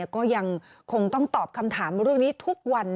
ก็ยังคงต้องตอบคำถามเรื่องนี้ทุกวัน